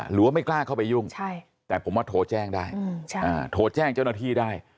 หรือว่าไม่กล้าเข้าไปยุ่งแต่ผมว่าโทรแจ้งได้โทรแจ้งเจ้าหน้าที่ได้